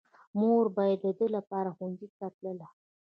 مور به يې د ده لپاره ښوونځي ته تله.